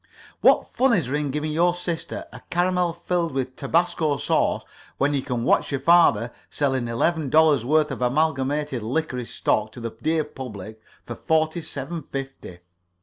What fun is there in giving your sister a caramel filled with tabasco sauce when you can watch your father selling eleven dollars' worth of Amalgamated Licorice stock to the dear public for forty seven fifty?